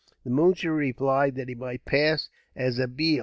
The moonshee replied that he might pass as a Bheel.